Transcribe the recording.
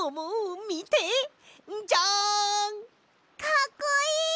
かっこいい！